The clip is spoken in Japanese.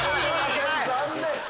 残念！